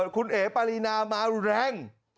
คุณเอ๋ปารีนามาแรง